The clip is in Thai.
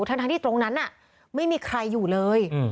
ทั้งที่ตรงนั้นไม่มีใครอยู่เลย